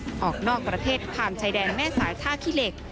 ออกออกนอกประเทศพามชายแดนแม่สายท่าคิเล็ก